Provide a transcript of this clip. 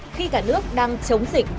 khi cả nước đang chống dịch